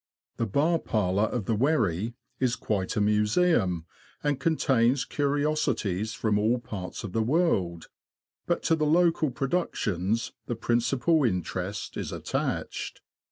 The bar parlour of the Wherry is quite a museum, and contains curiosities from all parts of the world ; but to the local productions the principal interest is attached.